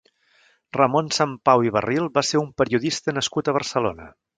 Ramon Sempau i Barril va ser un periodista nascut a Barcelona.